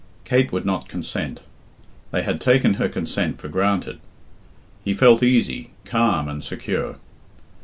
Kate would not consent. They had taken her consent for granted. He felt easy, calm, and secure.